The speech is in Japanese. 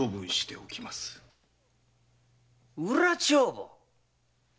裏帳簿？